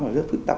và rất phức tạp